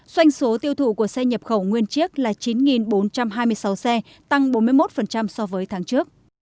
doanh số tiêu thụ của xe nhập khẩu nguyên chiếc là chín bốn trăm hai mươi sáu xe tăng bốn mươi một so với tháng trước